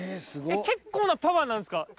結構なパワーなんですか？